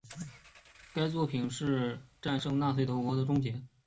该作品原目的是庆祝苏联在二战时期战胜纳粹德国的终结。